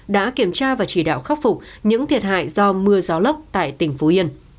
đã kiểm tra và chỉ đạo khắc phục những thiệt hại do mưa gió lốc tại tỉnh phú yên